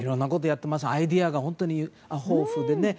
アイデアが本当に豊富で。